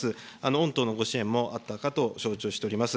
御党のご支援もあったかと承知をしております。